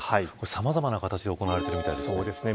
さまざまな形で行われているみたいですね。